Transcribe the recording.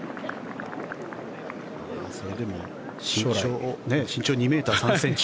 それでも身長２ｍ３ｃｍ。